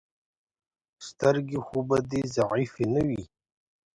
سترګې خو به دې ضعیفې نه وي.